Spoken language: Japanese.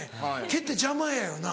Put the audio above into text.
毛って邪魔やよな。